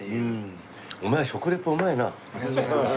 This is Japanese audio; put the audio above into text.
ありがとうございます。